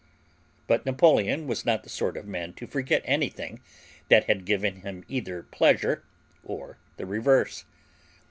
But Napoleon was not the sort of man to forget anything that had given him either pleasure or the reverse.